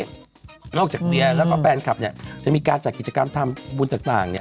แล้วออกจากเบียงแล้วก็แปดครับอย่างเนี่ยจะได้การจากกิจกรรมทำบุญสักต่างเนี่ย